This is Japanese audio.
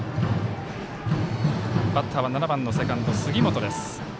バッター、７番セカンドの杉本です。